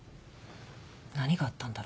何があったんだろ。